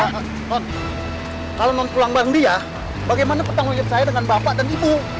nod kalo mau pulang bareng dia bagaimana pertanggung jawab saya dengan bapak dan ibu